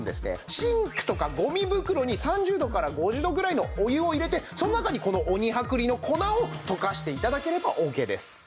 シンクとかゴミ袋に３０度から５０度ぐらいのお湯を入れてその中にこの鬼剥離の粉を溶かして頂ければオーケーです。